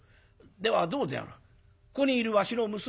ではどうであろうここにいるわしの娘。